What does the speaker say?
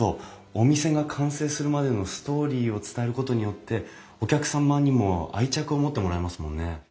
お店が完成するまでのストーリーを伝えることによってお客様にも愛着を持ってもらえますもんね。